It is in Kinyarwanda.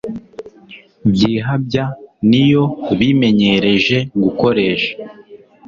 byihabya niyo bimenyereje gukoresha